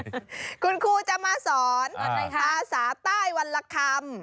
วันนี้น้องจะมาสอนภาษาใต้วันละคำ